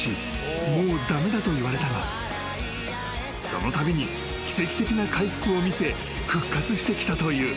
もう駄目だといわれたがそのたびに奇跡的な回復を見せ復活してきたという］